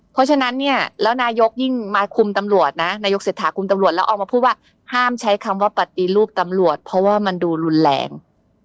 เพราะฉะนั้นเนี่ยแล้วนายกยิ่งมาคุมตำรวจนะนายกเศรษฐาคุมตำรวจแล้วออกมาพูดว่าห้ามใช้คำว่าปฏิรูปตำรวจเพราะว่ามันดูรุนแรง